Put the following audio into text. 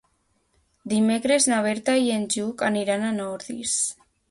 Dimecres na Berta i en Lluc aniran a Ordis.